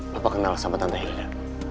papa kenal sama tante hilda